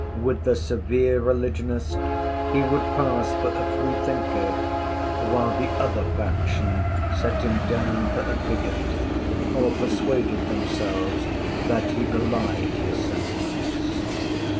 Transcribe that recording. With the severe religionist he would pass for a free thinker; while the other faction set him down for a bigot, or persuaded themselves that he belied his sentiments.